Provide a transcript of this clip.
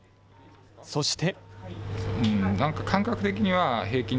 そして。